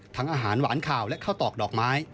อาหารหวานข่าวและข้าวตอกดอกไม้